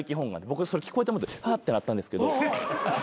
僕それ聞こえてもうてハッてなったんですけど。